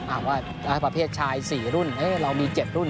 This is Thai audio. อ่าว่าประเภทชาย๔รุ่นเอ๊ะเรามี๗รุ่น